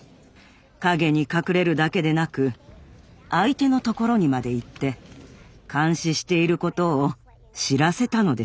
陰に隠れるだけでなく相手のところにまで行って監視していることを知らせたのです。